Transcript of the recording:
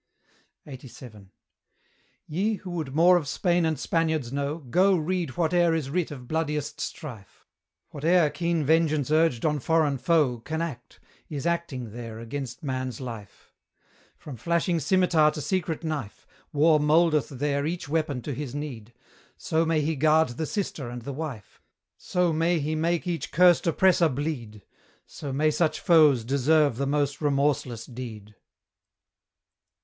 LXXXVII. Ye, who would more of Spain and Spaniards know, Go, read whate'er is writ of bloodiest strife: Whate'er keen Vengeance urged on foreign foe Can act, is acting there against man's life: From flashing scimitar to secret knife, War mouldeth there each weapon to his need So may he guard the sister and the wife, So may he make each curst oppressor bleed, So may such foes deserve the most remorseless deed!